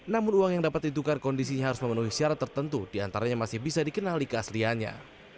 namun uang yang dapat ditukar kondisinya harus memenuhi syarat tertentu diantaranya masih bisa dikenali keasliannya